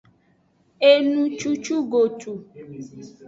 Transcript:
Enucucugotu.